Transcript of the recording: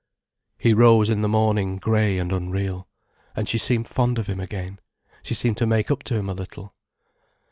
He rose in the morning grey and unreal. And she seemed fond of him again, she seemed to make up to him a little.